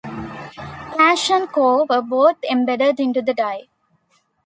Cache and core were both embedded into the die.